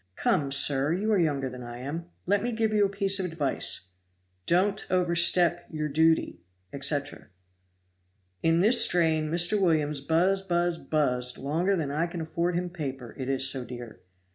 Come, sir, you are younger than I am; let me give you a piece of advice, 'DON'T OVERSTEP YOUR DUTY,' etc." In this strain Mr. Williams buz, buz, buzzed longer than I can afford him paper, it is so dear.